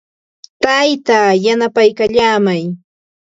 Taytaa yanapaykallaamay.